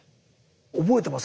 覚えてます？